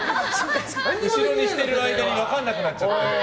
後ろにしてる間に分からなくなっちゃって。